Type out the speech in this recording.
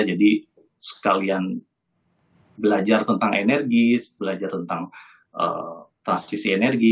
jadi sekalian belajar tentang energi belajar tentang transisi energi